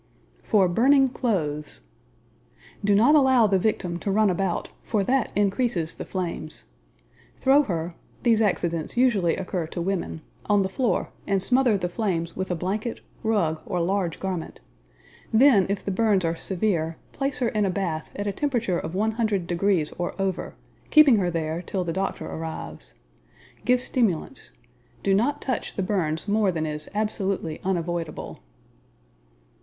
For burning clothes Do not allow the victim to run about, for that increases the flames. Throw her these accidents usually occur to women on the floor and smother the flames with a blanket, rug, or large garment. Then, if the burns are severe, place her in a bath at a temperature of 100 degrees or over, keeping her there till the doctor arrives. Give stimulants. Do not touch the burns more than is absolutely unavoidable.